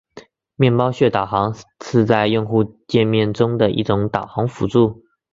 面包屑导航是在用户界面中的一种导航辅助。